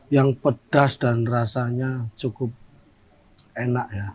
yang pedas dan rasanya cukup enak ya